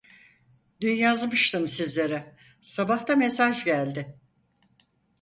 Dün yazmıştım sizlere sabah da mesaj geldi